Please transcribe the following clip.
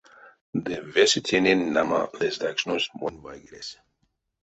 Ды весе тенень, нама, лездакшнось монь вайгелесь.